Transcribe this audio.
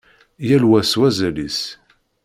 Yal wa s wazal-is.